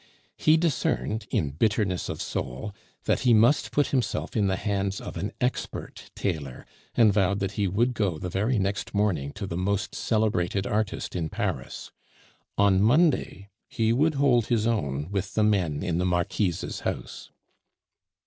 He discerned, in bitterness of soul, that he must put himself in the hands of an expert tailor, and vowed that he would go the very next morning to the most celebrated artist in Paris. On Monday he would hold his own with the men in the Marquise's house.